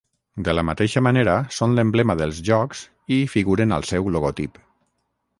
De la mateixa manera, són l'emblema dels Jocs i hi figuren al seu logotip.